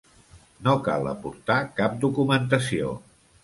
No cal aportar cap documentació.